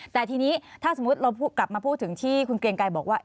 แต่ทีนี้ถ้าสมมุติเรากลับมาพูดถึงที่คุณเกรงไกรบอกว่า